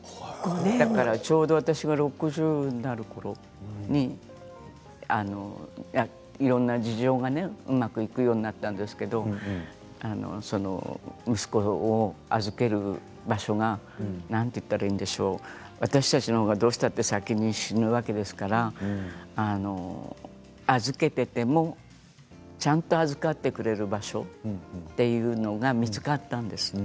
だからちょうど私が６０になるころにいろいろな事情がうまくいくようになったんですけれど息子を預ける場所が何て言ったらいいんでしょう私たちのほうがどうしたって先に死ぬわけですからちゃんと預かってくれる場所というのが見つかったんです。